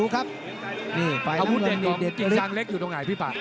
สัมผัสของกิ่งสางเล็กอยู่ตรงไหนพี่ป่าบ